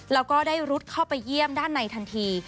แล้วก็ได้รุดเข้าไปเยี่ยมด้านในทันที